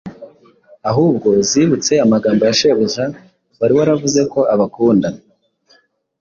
ahubwo zibutse amagambo ya Shebuja wari waravuze ko abakunda